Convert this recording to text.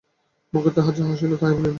মুখে তাহার যাহা আসিল তাহাই বলিল।